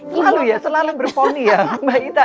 selalu ya selalu berponi ya mbak ita